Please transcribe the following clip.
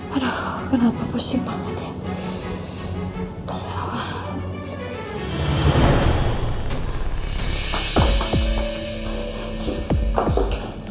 aduh kenapa pusing banget ya